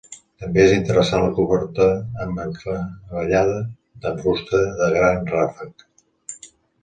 També és interessant la coberta amb encavallada de fusta de gran ràfec.